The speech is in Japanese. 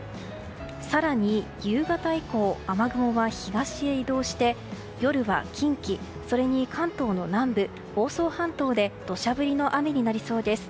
更に、夕方以降雨雲は東へ移動して夜は近畿、それに関東の南部房総半島で土砂降りの雨になりそうです。